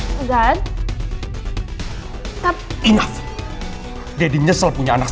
bisa nungguin equipo dari tim pengvisi perintah kanak k